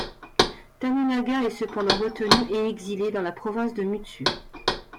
Tanenaga est cependant retenu et exilé dans la province de Mutsu.